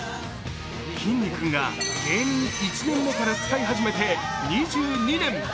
きんに君が芸人１年目から使い始めて２２年。